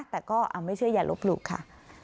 แต่ก็ไม่เชื่ออย่าลบหลู่ค่ะ